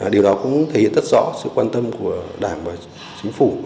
điều đó cũng thể hiện rất rõ sự quan tâm của đảng và chính phủ